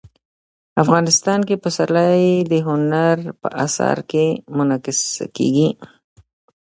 افغانستان کې پسرلی د هنر په اثار کې منعکس کېږي.